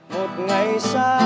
một ngày xa